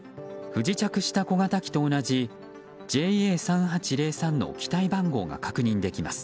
不時着した小型機と同じＪＡ３８０３の機体番号が確認できます。